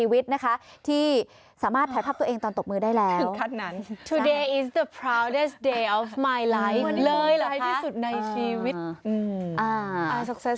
วันที่เขาภูมิใจที่สุดในชีวิตนะคะ